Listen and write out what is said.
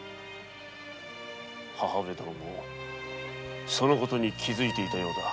母上殿もその事に気づいていたようだ。